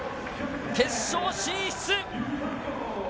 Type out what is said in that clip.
決勝進出！